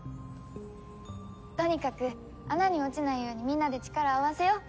とにかく穴に落ちないようにみんなで力を合わせよう。